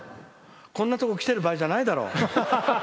こんなとこ来てる場合じゃないだろ。